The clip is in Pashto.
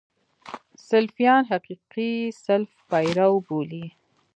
سلفیان حقیقي سلف پیرو بولي.